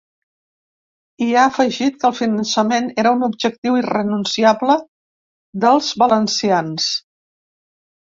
I ha afegit que el finançament era un objectiu irrenunciable dels valencians.